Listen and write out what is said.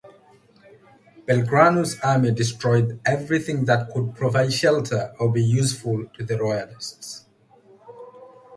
Belgrano's army destroyed everything that could provide shelter or be useful to the Royalists.